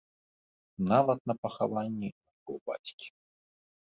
Нават на пахаванні майго бацькі.